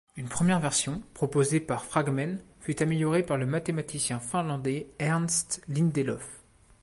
Une première version, proposée par Phragmén, fut améliorée par le mathématicien finlandais Ernst Lindelöf.